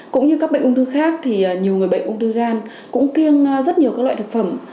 cũng như các bệnh ung thư khác thì nhiều người bệnh ung thư gan cũng kiêng rất nhiều các loại thực phẩm